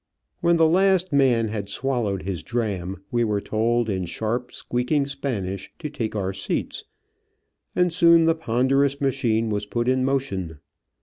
When the last man had swallowed his dram, we were told in sharp, squeaking Spanish to take our seats, and soon the ponderous machine was put in motion.